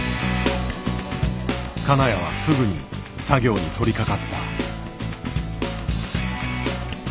金谷はすぐに作業に取りかかった。